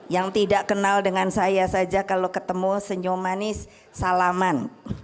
yang tidak kenal dengan saya saja kalau ketemu senyum manis salaman